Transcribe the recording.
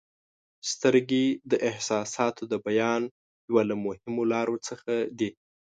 • سترګې د احساساتو د بیان یوه له مهمو لارو څخه دي.